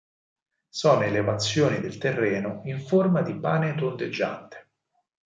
Sono elevazioni del terreno in forma di pane tondeggiante.